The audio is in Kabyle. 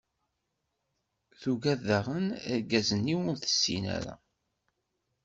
Tuggad daɣen argaz-nni ur tessin ara.